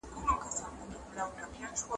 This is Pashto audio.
املا د ذهني پوهي او عملي کار ترمنځ پل دی.